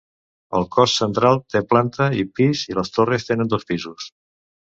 El cos central té planta i pis i les torres tenen dos pisos.